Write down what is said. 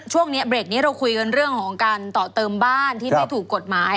ช่วงนี้เบรกนี้เราคุยกันเรื่องของการต่อเติมบ้านที่ไม่ถูกกฎหมาย